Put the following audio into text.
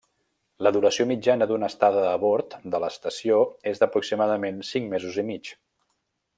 La duració mitjana d'una estada a bord de l'estació és d'aproximadament cinc mesos i mig.